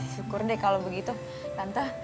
syukur deh kalau begitu tante